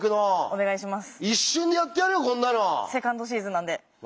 お願いします。